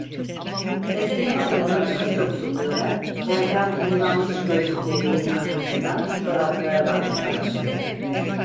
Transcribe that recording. Tezgâha doğru daha çok sokularak terden buğulanmış gözlüklerinin arkasından çoraplara bakmaya başladı.